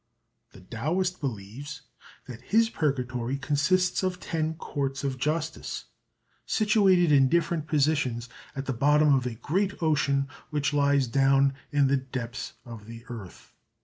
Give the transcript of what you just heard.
The Taoist believes that his Purgatory consists of Ten Courts of Justice situated in different positions at the bottom of a great ocean which lies down in the depths of the earth.